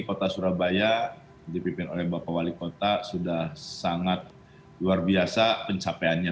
kota surabaya dipimpin oleh bapak wali kota sudah sangat luar biasa pencapaiannya